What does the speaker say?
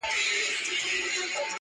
تر دې نو بله ښه غزله کتابي چیري ده؛